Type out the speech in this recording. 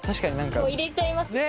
もう入れちゃいますね。